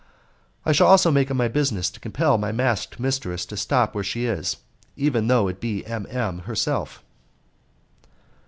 "I shall also make it my business to compel my masked mistress to stop where she is, even though it be M. M. herself."